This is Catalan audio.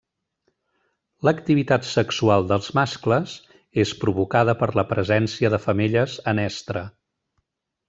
L'activitat sexual dels mascles és provocada per la presència de femelles en estre.